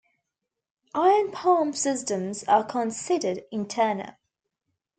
Iron Palm systems are considered internal.